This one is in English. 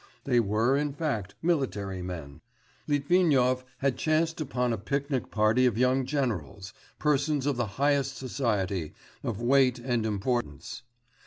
They were, in fact, military men; Litvinov had chanced upon a picnic party of young generals persons of the highest society, of weight and importance.